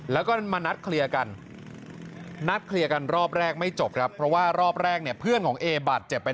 แล้วก็มานัดเคลียร์กันนัดเคลียร์กันรอบแรกไม่จบครับ